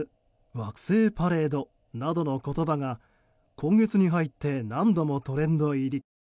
「＃惑星パレード」などの言葉が今月に入って何度もトレンド入り。